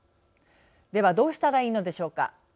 ではどうしたらいいのでしょうか。